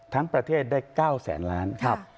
ทั้งประเทศได้๙๐๐๐๐๐ล้านครับ